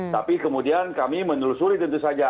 tapi kemudian kami menelusuri tentu saja